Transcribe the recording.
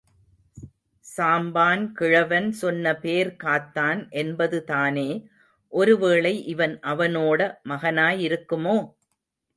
சாம்பான் கிழவன் சொன்ன பேர் காத்தான் என்பதுதானே... ஒரு வேளை இவன் அவனோட மகனாயிருக்குமோ?